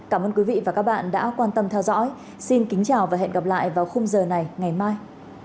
cảm ơn quý vị và các bạn đã quan tâm theo dõi xin kính chào và hẹn gặp lại vào khung giờ này ngày mai